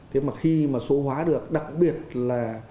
thế mà khi mà số hóa được đặc biệt là